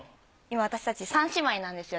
今私たち３姉妹なんですよ。